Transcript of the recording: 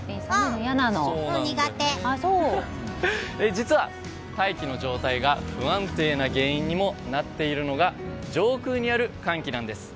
実は、大気の状態が不安定な原因にもなっているのが上空にある寒気なんです。